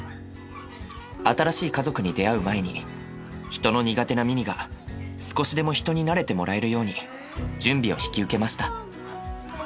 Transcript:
新しい家族に出会う前に人の苦手なミニが少しでも人になれてもらえるように準備を引き受けました。